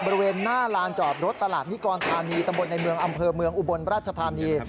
บริเวณหน้าลานจอดรถตลาดนิกรธานีตำบลในเมืองอำเภอเมืองอุบลราชธานี